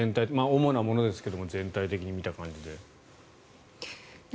主なものですが全体的に見た感じで。